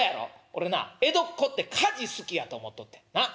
俺な江戸っ子って火事好きやと思っとってんなっ。